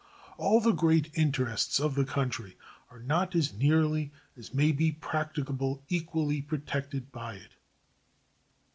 All the great interests of the country are not as nearly as may be practicable equally protected by it.